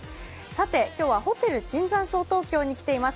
さて今日はホテル椿山荘東京に来ています。